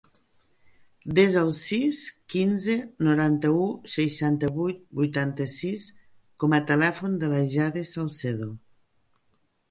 Desa el sis, quinze, noranta-u, seixanta-vuit, vuitanta-sis com a telèfon de la Jade Salcedo.